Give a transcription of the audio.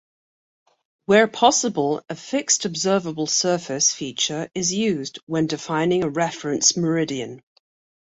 Where possible a fixed observable surface feature is used when defining a reference meridian.